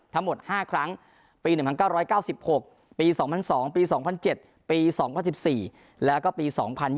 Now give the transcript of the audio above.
ทั้งหมด๕ครั้งปี๑๙๙๖ปี๒๐๐๒ปี๒๐๐๗ปี๒๐๑๔แล้วก็ปี๒๐๒๐